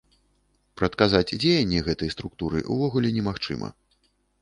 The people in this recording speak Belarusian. Прадказаць дзеянні гэтай структуры ўвогуле немагчыма.